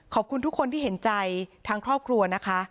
ขอบคุณทุกคนที่เห็นใจทางครอบครัวนะคะ